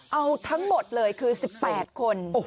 เอาทั้งหมดเลยคือ๑๘คน